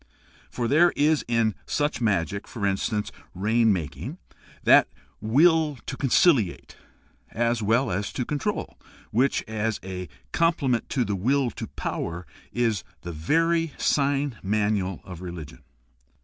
For there is in such magic, e.g., rain making, that "will to conciliate" as well as to control, which, as a comple ment to the "will to power," is the very sign manual of religion.